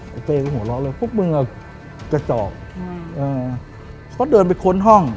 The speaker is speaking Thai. บอกเฮ้ยกูหัวร้องเลยพวกมึงอะกระจอกอ่าเขาเดินไปค้นห้อง